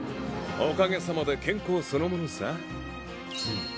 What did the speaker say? おかげさまで健康そのものさ。